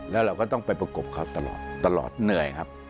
แล้วเราก็ต้องไปประกบเขาตลอดตลอดเหนื่อยครับ